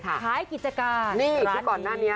ขายกิจการ